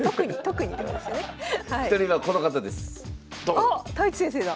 あっ太地先生だ。